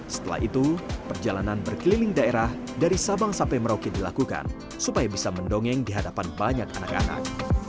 setelah itu perjalanan berkeliling daerah dari sabang sampai merauke dilakukan supaya bisa mendongeng di hadapan banyak anak anak